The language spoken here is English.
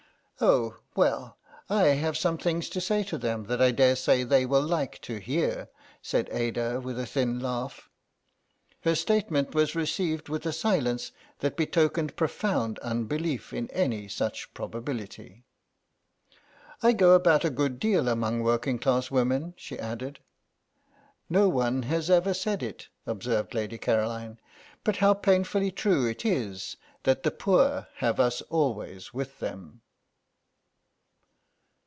"Oh, well, I have some things to say to them that I daresay they will like to hear," said Ada, with a thin laugh. Her statement was received with a silence that betokened profound unbelief in any such probability. "I go about a good deal among working class women," she added. "No one has ever said it," observed Lady Caroline, "but how painfully true it is that the poor have us always with them."